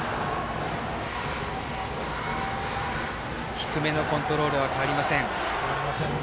低めのコントロールは変わりません。